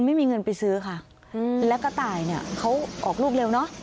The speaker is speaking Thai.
ไม่มีเงินไปซื้อค่ะแล้วกระต่ายเนี่ยเขาออกลูกเร็วเนอะ